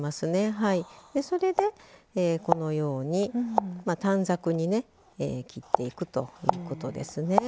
それで、このように短冊に切っていくということです。